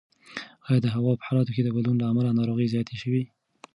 ایا د هوا په حالاتو کې د بدلون له امله ناروغۍ زیاتې شوي؟